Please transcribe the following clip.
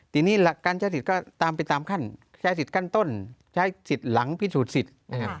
ทีนี้หลักการใช้สิทธิ์ก็ตามไปตามขั้นใช้สิทธิ์ขั้นต้นใช้สิทธิ์หลังพิสูจน์สิทธิ์นะครับ